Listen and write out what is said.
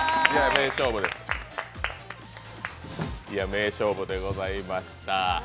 名勝負でございました。